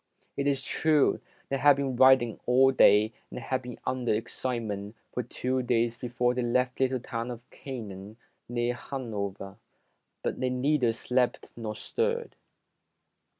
It is true, they had been riding all day and had been under excitement for two days be fore they left the little town of Canaan near Hanover, but they neither slept nor stirred.